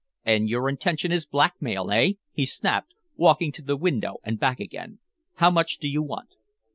"And your intention is blackmail eh?" he snapped, walking to the window and back again. "How much do you want?"